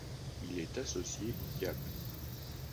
Il est associé au diable.